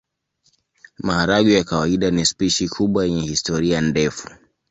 Maharagwe ya kawaida ni spishi kubwa yenye historia ndefu.